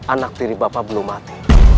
anak tiri bapak belum mati